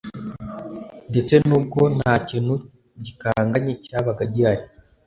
ndetse n'ubwo nta kintu gikanganye cyabaga gihari